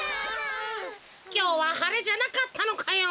きょうははれじゃなかったのかよ。